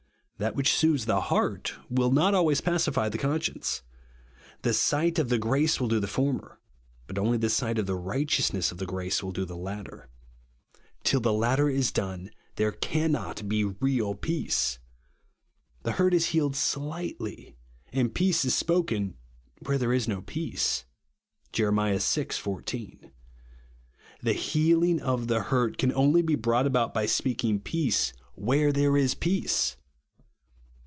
That which soothes the heart will not ahvays pacify the conscience. The sight of the grace will do the former ; but only the sight of the righteousness of the grace will do the latter. Till the latter is done, there cannot be real peace. The hurt is healed slightly, and peace is spoken where there is no peace (Jer. vi. 14). The " heal ing of the hurt" can only be brought about by speaking peace where there is peace.